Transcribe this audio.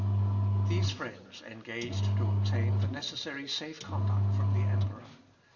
" These friends engaged to obtain the necessary safe conduct from the Emperor.